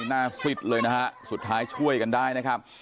หน้าสิดเลยนะครับสุดท้ายช่วยกันได้นะครับ